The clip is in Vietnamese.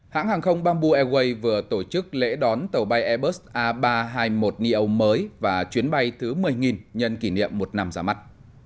hãng hàng không bamboo airways vừa tổ chức lễ đón tàu bay airbus a ba trăm hai mươi một neo mới và chuyến bay thứ một mươi nhân kỷ niệm một năm ra mắt